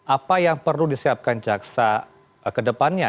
apa yang perlu disiapkan jaksa ke depannya